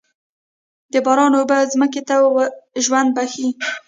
د باران اوبه ځمکې ته ژوند بښي.